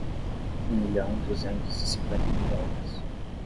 Um milhão duzentos e cinquenta mil dólares.